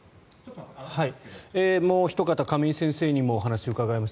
もうおひと方、亀井先生にもお話をお伺いします。